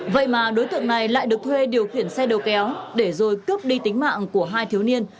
vậy mà đối tượng này lại được thuê điều khiển xe đầu kéo để rồi cướp đi tính mạng của hai thiếu niên